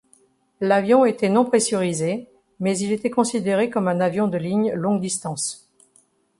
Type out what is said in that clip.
L'avion était non-pressurisé, mais il était considéré comme un avion de ligne longue distance.